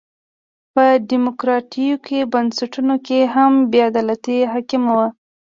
په ډیموکراټیکو بنسټونو کې هم بې عدالتي حاکمه وه.